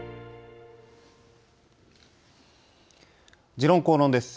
「時論公論」です。